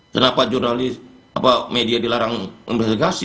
kenapa jurnalis media dilarang investigasi